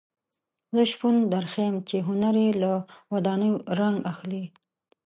زه شپون درښیم چې هنر یې له ودانیو رنګ اخلي.